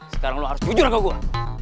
sekarang lo harus jujur sama gue